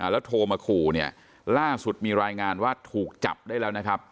แล้วโทรมาขู่เนี่ยล่าสุดมีรายงานว่าถูกจับได้แล้วนะครับ